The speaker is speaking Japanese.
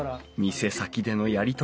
店先でのやり取り。